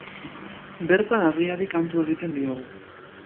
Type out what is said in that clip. Bertan, argiari kantu egiten diogu.